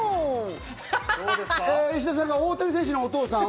石田さんが大谷選手のお父さん。